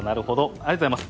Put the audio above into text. ありがとうございます。